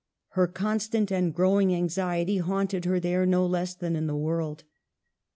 Her constant and growing anxiety haunted her there no less than in the world.